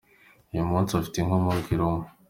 uyu munsi ufite inkomoko I Roma .